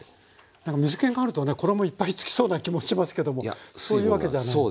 なんか水けがあるとね衣いっぱいつきそうな気もしますけどもそういうわけじゃないんですね。